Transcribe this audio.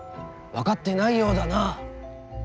分かってないようだな。